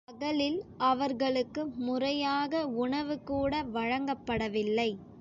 பகலில் அவர்களுக்கு முறையாக உணவு கூட வழங்கப்படவில்லை.